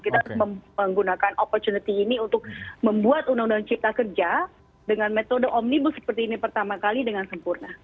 kita menggunakan opportunity ini untuk membuat undang undang cipta kerja dengan metode omnibus seperti ini pertama kali dengan sempurna